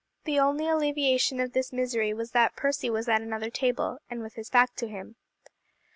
The only alleviation of this misery was that Percy was at another table, and with his back to him.